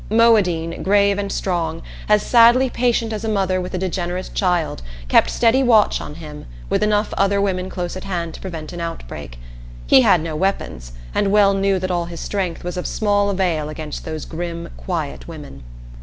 Moadine, grave and strong, as sadly patient as a mother with a degenerate child, kept steady watch on him, with enough other women close at hand to prevent an outbreak. He had no weapons, and well knew that all his strength was of small avail against those grim, quiet women.